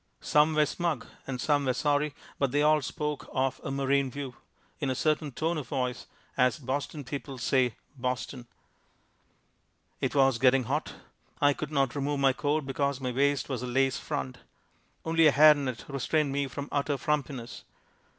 Some were smug and some were sorry but they all spoke of a "marine view" in a certain tone of voice, as Boston people say "Boston." It was getting hot. I could not remove my coat because my waist was a lace front. Only a hair net restrained me from utter frumpiness.